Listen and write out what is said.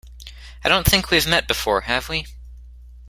I don't think we've met before, have we?